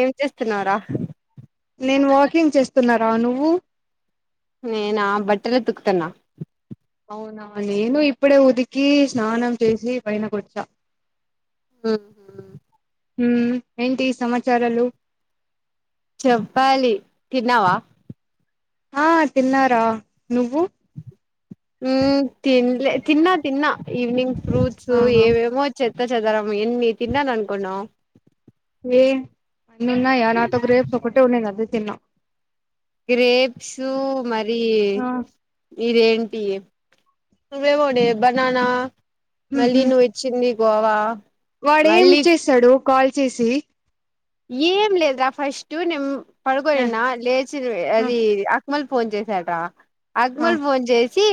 ఏం చేస్తున్నావురా నేను వాకింగ్ చేస్తున్నరా నువ్వు నేనా బట్టలు ఉతుకుతున్న అవునా నేను ఇప్పుడే ఉతికి, స్నానం చేసి పైనకొచ్చా ఆ ఉమ్మ్ ఏంటి సమాచారాలు చెప్పాలి తిన్నావా ఆ తిన్నారా నువ్వు ఉమ్మ్ తిన్లే తిన్నా తిన్నా ఈవినింగ్ ఫ్రూట్స్ ఆహా ఏవేమో వచ్చేది త్త చదరం మనం ఎన్ని తిన్నలి అనుకున్నాం ఏ అన్నున్నయ నాతో గ్రేప్స్ ఒకటే ఉన్నాయి అది తిన్నం గ్రేప్సు మరి ఆ ఇదేంటి అదే పోనీ బనానా హ్మ్ మళ్లీ హు నువిచ్చింది గోవా వా వాడేం చేశాడు కాల్ చేసి ఏం లేదురా ఫస్ట్ నిమ్ ఆ పడుకోయిన్నా లేచి ఆ అది అక్మల్ ఫోన్ చేసాట ఆ అక్మల్ ఫోన్ చేస్ చి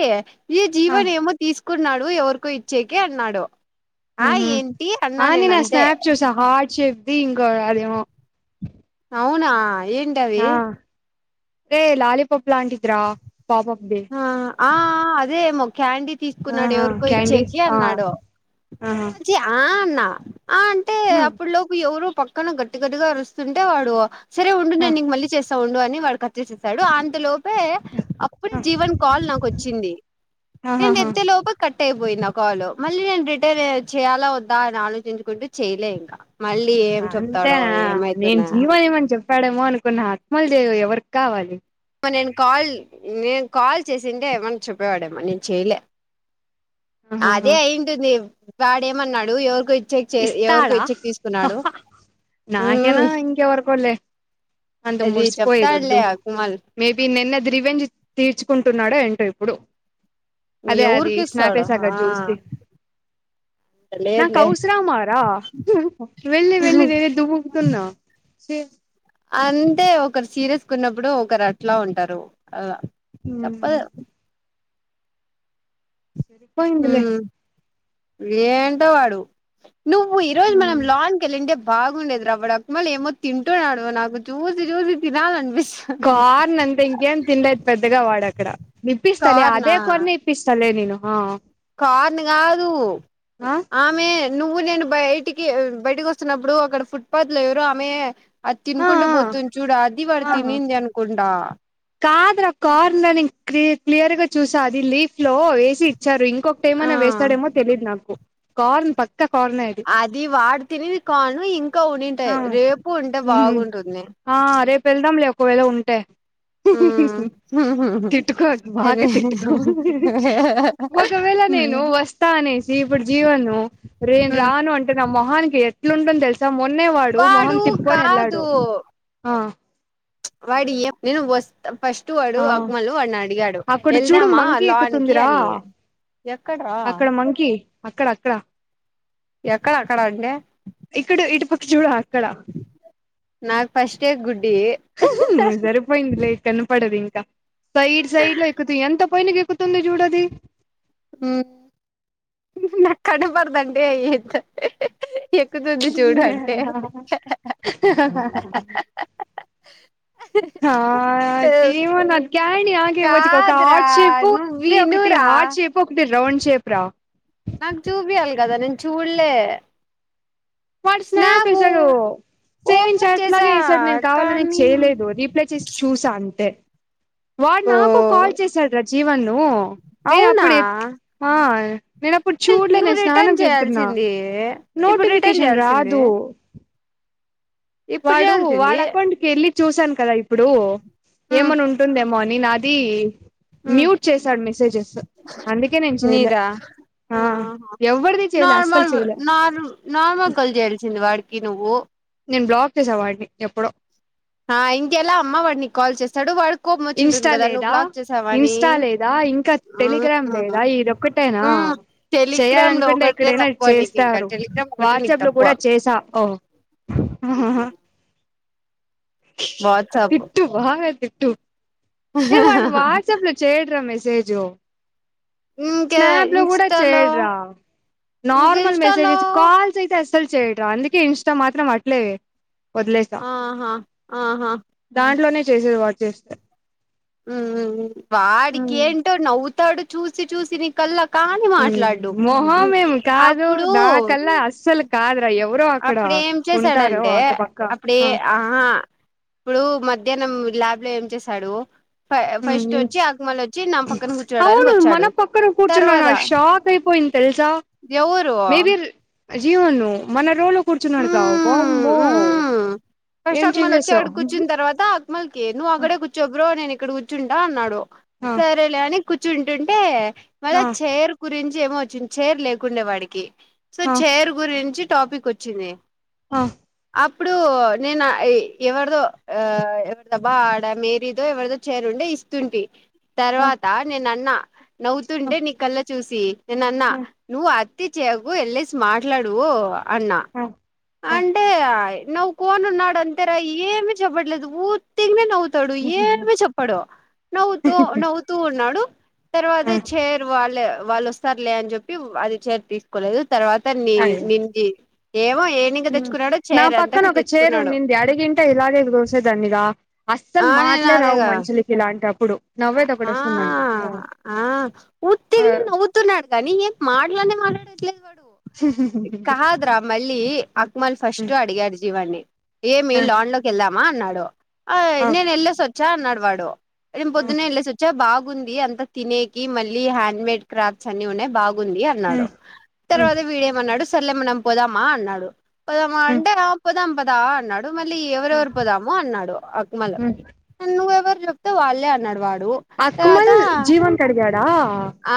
ఏ ఆ జీవన్ ఏమో తీస్ కున్నాడు ఎవరికో ఇచ్చేకి అన్నాడు ఆ హ్మ్ హు ఏంటి అన్నా ఆ నేను ఆ అంతే స్నాప్ చూసా హా చేబ్బి ఇంగోగాడు ఏమో అవునా ఏంటవి రే లాలీపాప్ లాంటిది రా పప్పీది ఆ ఆ అదే మొ క్యాండీ తీసుకున్నాడు ఆహా ఎవరికో క్యాండీస్ ఇచ్చేకి ఆ అన్నాడు ఆహా ఆ అన్నా ఆ అంటే హ్మ్ అప్పుడులోపు ఎవరో పక్కన గట్టి గట్టిగా అరుస్తుంటే వాడు సరే ఉండు ఆ నేను నీ మళ్ళీ చేస్ సౌండ్ అని వాడు కట్ చేసేసాడు అంతలో అ జీవన్ కాల్ నాకు వచ్చింది నేను ఆహాహా ఎత్తే లోపు కట్ కట్ అయిపోయింది కాల్ మళ్ళీ నేను రిటర్న్ చేయాలా వద్దా అని ఆలోచించుకుంటూ చేయలే ఇంకా మళ్ళీ ఏం అంతే చెప్తాడో ఆ నేను ఏమైతుందా అని జీవనేఏమన్ చెప్ చెప్పాడేమో అనుకున్న అత్మల్ దేవ్ ఎవరికి కావాలి నేను కాల్ నేను కాల్ చేసింటే ఏమన్నా చెప్పేవాడేమ్మ నేను చెయలే ఆహాహా అదే అయింటుంది వాడేమన్నాడు ఎవరికో ఇ ఇస్తాడా హ హ నాకేనా మ్మ్ ఇంకా ఎవరికోలే అందు అది మురిసిపోయేది చెప్తాడులే వద్దు ఆ కుమల్ మే బి నిన్న ద్రివెంజి తీర్చుకుంటున్నాడు ఏంటో ఇప్పుడు అదే అది స్నాప్ ఎవర్కిసాడు ఏసాగా ఆ చూసి లేదులే [unintelligible] వెళ్లి వెళ్ళి వేరే దూకుతున్న చి అంటే ఒకరు సీరియస్ ఉన్నప్పుడు ఒకరు అట్లా ఉంటారు అలా హు తప్పదు సరి పోయిందిలే మ్మ్ ఏంటో వాడు నువ్వు ఈ రోజు మనం లాన్ కి వెళ్ళింటే బాగుండేది వాడు అక్మళ్ళ ఏమో తింటున్నాడు నాకు చూసి చూసి తినాలినిపింసి కాన్ అంతే ఇంకా ఏం తినలేదు పెద్దగా వాడు ఆ అక్కడ ఇప్పిస్తాలే అదే కోని ఇప్పిస్తాలే నేను ఆహా కార్ని కాదు ఆ ఆమె నువ్వు నేను బయటికి బయటకి వస్తున్నప్పుడు అక్కడ ఫుట్పాత్ లో ఎవరు ఆమె అది ఆ తినుకుంటడా పోతుంది చూడా అది వాడు ఆ తినింది అనుకుంటా కాదురా కార్నర్ న క్ క్లియర్ గా చూసా అది లీఫ్ లో వేసి సారు ఇంకొ ఒకటి ఆ ఏమైనా వేస్తాడేమో తెలీయదు నాకు కార్న్ పక్క అది వాడి తినేది కాను ఇంకా ఉండింటే ఆ రేపు ఉంటే ఉహు బాగుంటుంది ఆ రేపు వెళ్దాంలే ఒకవేళ ఉంటే ఉమ్ తిట్టుకోబాగా తిట్టుకో ఒకవేళ నేను వస్తా అనేసి ఇప్పుడు జీవను రేను రాను అంటే నా మొహానికి ఎ ఎట్లా ఉంటుంది తెలుసా మొన్నే వాడు మొహం తిప్పుకొని వెళ్ళాడు ఆహా వాడి ఎ నేను వస్ ఫస్ట్ వాడు ఆ ఆకామాలు అన్నాడు దగాడు అక్కడ చూడు వెళ్దామా మంకీ లాన్ కి ఎక్కుతుందిరా అని ఎక్కడ రా అక్కడ మంకీ అక్కడ అక్కడ అక్కడ అంటే ఇక్కడ ఇటుపక్క చూడ అక్కడ నాకు ఫస్టే గుడ్డి సరిపోయింది లే కనపడదు ఇంకా సైడ్ సైడ్లో ఎక్కుతాయి ఎంత పైనకు ఎక్కుతుంది చూడు అది ఉహు ఉహు నాకు కనబడదు అంటే ఎ ఆహా ఏమో నాకు [inaudible] ఏం మంచిగా ఒక కాదురా హార్ట్ షేప్ నువ్వు రే ఒకటి వినురా హార్ట్ షేప్ ఒకటి రౌండ్ షేప్ రా నాకు చూపియ్యాలి కదా నేను చూడలే వాడు స్నాప్ స్నాపు వేసాడు సేవింగ్ ఓపెన్ చాట్ చేసా మరి ఎసాడు నేను కావాలనే కానీ చేయలేదు రీప్లై చేసి చూసా అంతే వాడు నాకు కాల్ ఓ చేశాడు రా జీవను ఎ అవునా అప్పుడుా ఆ నేను అప్పుడు మరి చూడలే నువ్వు నేను స్నానం రిటర్న్ చేస్తున్నా చేయాల్సింది ఇప్పుడు రి నోటిఫికేషన్ రాదు ఇప్పుడు వాడు చేయాల్సింది వాడ్ అకౌంట్ కి వెళ్ళి చూసాను కదా ఇప్పుడు ఉమ్ ఏమని ఉంటుందేమోని నాది ఉమ్ మ్యూట్ చేశాడు మెసేజెస్ అందుకే నేను చెయలే నీదా ఆ ఆహా ఎవరిది చేయలే అస్సలు నార్మల్ చెయలే నార్ నార్మల్ కల్ చేయాల్సింది వాడికి నువ్వు [unintelligible] వాడిని ఎప్పుడో ఆ ఇంకెలా అమ్మ వాడిని కాల్ చేస్తాడు వాడు ఇంస్టా లేదా ఇన్స్టా లేదా ఇంకా టెలిగ్రామ్ ఉమ్ లేదా ఇదిొక్కటైనా ఉమ్ టెలిగ్రామ్ లో చేయాలనుకుంటే ఒకటే ఎక్కడైనా తక్కువ నీకు ఇంకా చేస్తారు టెలిగ్రామ్ ఒకటే నీకు వాట్సాప్ లో తక్కువ కూడా చేసా ఓ హహ వాట్సాప్ తిట్టు బాగా తి టూ ఏ వాడు వాట్సాప్ లో చేయడురా మెస్ జయజో ఇంకా స్నాప్ లో కూడా ఇన్స్టాలో చేయడ రా ఇంక నార్మల్ మెసేజ్ ఇన్స్టాలో కాల్స్ అయితే అస్ అస్సలు చెయ్యడు అందుకే ఇన్స్టా మాత్రం అట్లే వదిలేసా ఆహా ఆహా దాంట్లోనే చేసేది వాడు చేస్తే హ్మ్ వాడ్కి ఏంటో నవ్వు తడు చూసి చూసి ని కల్ల హ్మ్ మొహంఎమి కాదు నాకల్లా అస్సల కాద్ అప్పుడ ఏం చేసాడంటే అటు పక్క అప్పుడు ఆ ఆహా ఇప్పుడు మధ్యాహ్నం ల్యాబ్ లో ఏం చేశాడు కూర్చోడానికి అవును మన వచ్చాడు పక్కన కూర్చున్నా నా తర్వాత షాక్ అయిపోయింది తెలుసా ఎవరు మేబి జీవను మన రోలు కూర్చున్నాడుగా హ్మ్ వామ్మో హ్మ్ ఫస్ట్ ఏం అక్మల్ వచ్చి చేంజెస్ ఆ అడ కూర్చున్న తర్వాత అకమల్కి నువ్ అక్కడె కూర్చోబ్రో నేన్ ఇక్కడ కూర్చుంటా అన్నాడు ఆ సరే లే అని కూర్చుంటుంటే మళ్ళ ఆ చేర్ కురించి ఏమో వచ్చింది చైర్ లేకుండే వాడికి సో ఆ చేేర్ గురించి టాపిక్ వచ్చింది ఆ అప్పుడు నేను ఎవరిదో ఆ ఎవరిదబా ఆడ మేరీదో ఎవరిదో చేరుండే ఇస్తుంటే ఆ తర్వాత నేను అన్న నవ్వుతుంటే నీ కల్లా చూస్త సి న నాన్నా ఆ నువ్ తి చేకు ఎల్ళసి మాట్లాడువు అన్నా ఆ ఆ అంటే నవవు కోను నాడు అంతరా ఏమి చబట్లదు ఊతిింగ్ నవవు తాడు ఏమి చెప్పడు నవ్వుతూ నవ్వుతూ ఉన్నాడు తర్వాత చేరు వాళ్ళ వాళ్ళు వస్తారు లే అని చెప్పి అది చర తీసుకోలేదు తర్వాత నీ అదే నింగి ఏమో ఏ నా పక్కన ఒక చీర ఉంది. అదిగింట ఇలాగే దన్నురా అస్సలు ఆ నేను మాటలే రావు అదేగా మనుషులకి ఇలాంటిప్పుడు ఆ ఆ ఉతగనే ఊగుతున్నడు కానీ ఏం మాట్లాడని మాట్లాడారు. [unintelligible] కాదురా మళ్ళీ అక్మల్ ఫస్ట్ అడిగారు జీవాన్ని ఏమి లోన్ డ కి వెళ్దామా అన్నాడు. [inaudible] ఆ నేను వెల్లేసివచ ఎలా నడవాడు నేను వెల్లేసివచియా ఉంది అంత తినేకి మళ్ళీ హ్యాండ్ మేడ్ క్రాఫ్ట్స్ అన్ని ఉన్నాయి. బాగు ఉంది అన్నాడు తర్వాత వీడేమన్నాడు సర్లే మనం పోదామా అన్నాడు పోదామా అంటే ఆ పోదాం పద దా అన్నాడు మళ్ళీ ఎవరెవరి పోదాము అన్నాడు ఆకుమల నువ్వెవరు చెప్తే వాళ్లే వ నడవర్ అక్మల్ జీవన్ కడగాడా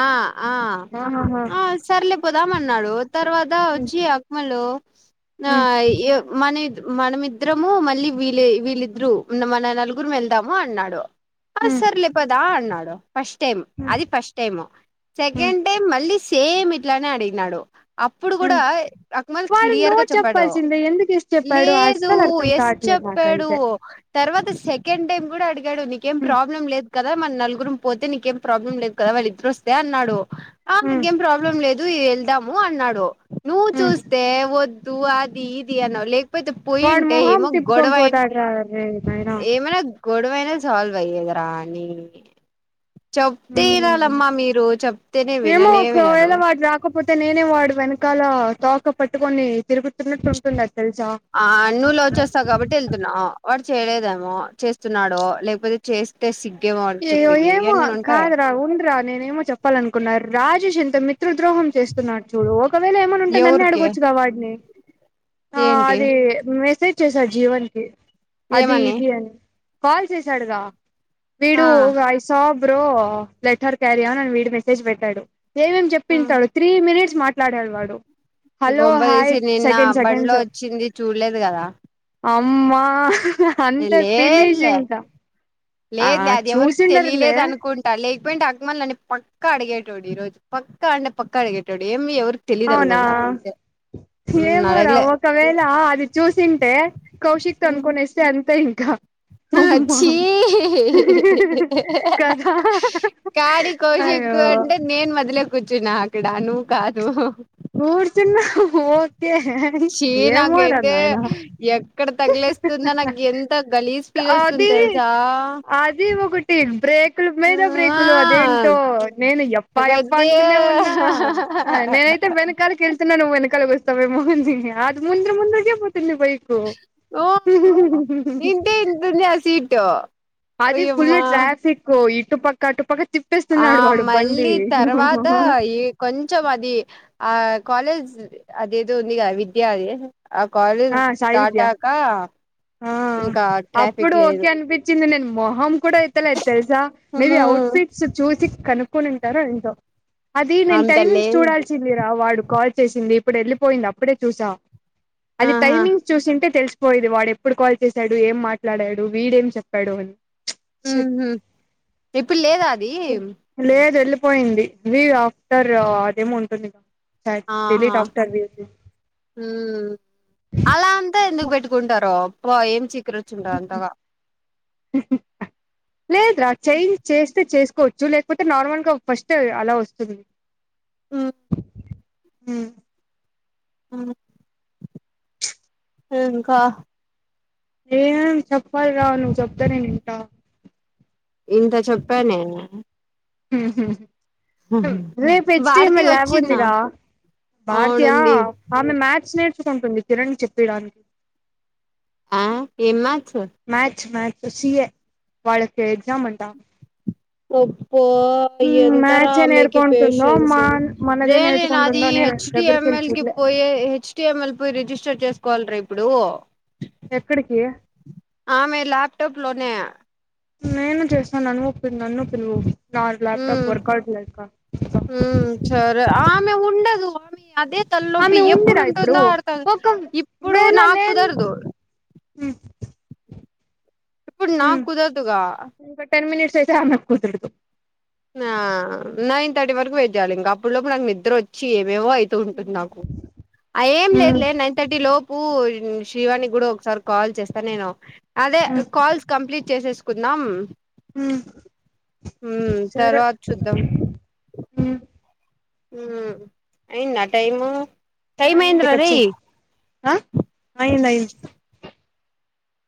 ఆ ఆ అ సరే మళ్ళీ పోదాం అన్నాడు. తర్వాత వచ్చి అక్మలు నా అయ్యో మని మనమిద్దరము మళ్ళీ వీళ్ళిద్దరు మన నలుగురం వెళ్దాము అన్నాడు. ఆ సర్లే పదా అన్నాడు ఫస్ట్ టైమ్ అది ఫస్ట్ టైము సెకండ్ టైమ్ మళ్ళీ స్ సేమ్ ఇట్లానే అడిగినాడు. అప్పుడు కూడా అక్మల్ వాడు నో క్లియర్గా చెప్పాడు చెప్పాల్సిందే ఎందుకు ఎస్ చెప్పాడు లేదు అస్సలు అర్థం ఎస్ కావట్లేదు చెప్పాడు తర్వాత సెకండ్ టైమ్ కూడా అ డు నీకేం నాకైతే ప్రాబ్లం లేదు కదా మన నలుగురం పోతే నీకేం ప్రాబ్లం లేదు కదా వాళ్ళిద్దరుొస్తే అన్నాడు ఆ మీకేం ప్రాబ్లమ్ లేదు వెళ్దాము అన్నాడు నువ్వు చూస్తే వద్ తూ అదిీ ఇదిి అన వలే యితే వాడు పోొయింటే మొహం ఏమో తిప్పుకొని గొడవైనా పోతాడు రా రే నాయనా ఏమైనా గొడవైనా సాల్వ్ అయ్యదరాని చ ఏమో విననే వినరు ఒకవేళ వాడు రాకపోతే నేనే వాడు వెనక చాలా తాక పట్టుకొని తిరుగుతున్నట్టు వుంటుంది ఆ నువ్లో వచ్చేస్తావు కాబట్టి వెళ్తున్నావ వాడు చేయలేదేమో చేస్తున్నాడో లేకపోతే చేస్తే సిగ్ ఏయ్యో ఏమో కాదరా ఉండరా నేనే ఏమో చెప్పాలనుకున్నారు. రాజ చింతమ పిత్రృద్రోహం చేస్తున్నాడు చూడు ఒకవేళ ఏమైన్నా ఉంటే నన్ను ఎవరికి అడగొచ్చుగా వాడిని ఆ ఏంటి అది. వచ్చేసారు జీవన్నికి అది ఏమని ఇద అ కాల్ చేసాడుగా ఆ విడు వయిసాబ్ ఇప్పుో లెటర్ క్యారీ అవ్వ నన్న వీడి మెసేజ్ పెట్టాడు. ఏమేం చెప్పింటాడు త్రీ మినిట్స్ మాట్లాడేడు వాడు న హలో హాయ్ గంపదసి నిన్న సెకండ్ బండ్లో సెకండ్స్ వచ్చింది చూడలేదు కదా అమ్మ అంతే ఫినిష్ ఇంకా ఆ లేదు లే అది ఎవరికి చూసిండరులే తెలియలేదు అనుకుంటారు లేకపోయినా అగమల్ని ప పక్క అడిగేటోడు ఈరోజు పక్క అంటే పక్క అడిగేటోడు ఏమి ఎవరు అవునా ఏమోరా అడగలే ఒకవేళ అది చూసింటే కౌశిక్ త అనుకునేస్తే అంతే కా చ్చి కదా కాడి అయ్యో కోశికు అంటే నేను మొదలే కూర్చు నా ఇక్కడ నువు కాదు కూర్చున్న ఒకే ఛీ ఏమో రా నాకైతే నాయనా ఎక్కడ తగిలేస్తుందా నాకు ఎంత గలీజ్ ఫీల్ వస్తుంది అది తెలుసా అది ఒకటి బ్రేకులు మీద ఆ బ్రేకులు అదేంటో నేను ఎప్ప ఎప్ప నాకైతే అంటూనే ఉన్నా నేనైతే వెనకాలకి వెళ్తున్నాను వెనక. కలవస్తా ఏమో అనీ అది ముంద్రు ముంద్రు కే పోతుంది. చిన్న బైకు ఊ ఇంతే ఇంత ఉంది ఆ సీటు అది ఫుల్ ఓయమ్మా ట్రాఫిక్ ఇ టు పక్క టటు పప్పక్క ఆ మళ్ళీ తర్వాత ఈ కొంచెం అది ఆ కాలేజ్ అదియేదో ఉందిగా విద్య దే ఆ సాయి విద్య ఆ ఇంకా ట్రాఫిక్ అప్పుడు లేదు ఓకే అనిపించింది నేను హామ్ కూడా ఎత్తలేద తెలుసా మేబి అఔట్ హ్మ్. ఫిట్స్ చూసి కనుకోనింటారా ఏంటో. అది నేను అంత టైమింగ్స్ లేదు చూడాల్సిందిరా వాడ్ కాల్ చేసింది ఇప్పుడు వెళ్ళిపోయింది అప్పుడే చూసా అది ఆహా టైమింగ్స్ చూసింటే తెల్సు పోయేది వాడు ఎప్పుడు కాల్ చేశాడు ఏం మాట్లాడాడు వీడేం చెప్పాడు అని ఉమ్ షట్ హు ఇప్పుడు లేదా అది పోయింది వ్యూ ఆఫ్టర్ అదేమో ఉంటుంది గా చట్ ఆహా డిలీట్ ఆప్షన్ చేసి మ్ అలా అంతా ఎందుకు పెట్టుకుంటారో అబ్బా ఏం చిక్ కిరిచ్చింద అంతగా లేదు రా చేంజ్ చేస్తే చేసుకోవచ్చు లేకపోతే నార్మల్గా ఫస్ట్ అలా వస్తుంది మ్ ఉమ్ అవును ఉమ్ ఇంకా ఏమ్ చెప్పాలి రా నువ్వు చెప్తే నేన్ ఇంట ఇంక చెప్పా నే ఉంహు హు రేపు H T M Bharati L lab వచ్చిందా ఉందిగా భారతీయ ఆ అవునుంది ఆమె మాథ్స్ నేర్ చూసుకుంటుంది కిరణ్ చెప్పిడానికి ఆ ఎమ్మ మ్యాచ్ మ్యాచ్ సి ఏ వాళ్ళకి ఎగ్జామ్ అంటా ఒప్పో ఎంతరా మ్యాథ్సే మీకు నేర్చుకుంటుందో మా పేషన్స్ మనదే రే నేను అది నేర్చుకుంటుందో నేను హెచ్ టి దగ్గరికి వెళ్ళి ఎంఎల్ కి చూడలే పోయె హెచ్ టిఎంఎల్ పోయి రిజిస్టర్ చేస్ కోల్రా ఇప్పుడు ఎక్కడికి ఆమె లాప్టాప్ లోనే నేను చేస్తాను నను నన్ను పిలువు నా ల్యాప్టాప్ ఉమ్ వర్క్ అవట్లేదుకా ఉమ్ సరే ఆ ఆమె ఉండదు ఆమె అదే తలనొప్పి ఆమె ఎప్పుడు ఉందిరా ఇప్పుడు ఉంటుందో అర్తం ఒక ఇప్పుడు వేళ నాకు లేన్ కుదరదు ఉమ్ ఇప్పుడు నాకు కుదరదుగా చేస్తే ఆమెకి కుదరదు ఆ నైన్ థర్టీ వరకు వెయిట్ చేయాలి ఇంగ అప్ అప్పుడు లోపు నాకు నిద్ర వచ్చి ఏవో అవుత ఉంటుంది నాకు అ ఏం లేదులే మ్మ్ నైన్ థర్టీ లో పన్ శ్రీవాణి కూడా ఒకసారి కాల్ చేస్తా నేను అదే మ్మ్ కాల్స్ కంప్లీట్ చేసేసుకుందాం హ ఉ తర్వాత చూద్దాం మ్మ్ ఎన్న టైము టైం ఆ ఇంది అయిందిరా కచ్చి రేయ్ ఆ అయింది అయింది